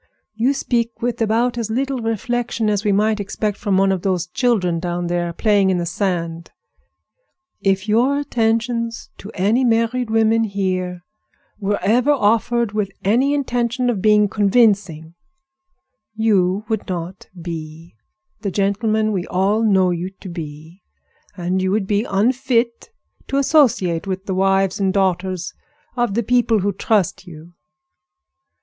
You speak with about as little reflection as we might expect from one of those children down there playing in the sand. If your attentions to any married women here were ever offered with any intention of being convincing, you would not be the gentleman we all know you to be, and you would be unfit to associate with the wives and daughters of the people who trust you."